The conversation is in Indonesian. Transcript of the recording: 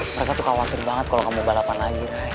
mereka tuh khawatir banget kalau kamu balapan lagi